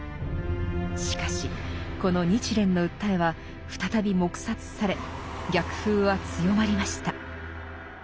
しかしこの日蓮の訴えは再び黙殺され逆風は強まりました。